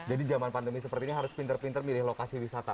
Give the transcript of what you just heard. jadi zaman pandemi seperti ini harus pinter pinter milih lokasi wisata